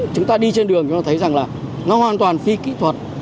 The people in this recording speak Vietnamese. chúng ta đi trên đường chúng ta thấy rằng là nó hoàn toàn phi kỹ thuật